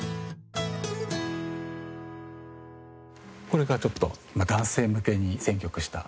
これがちょっと男性向けに選曲した。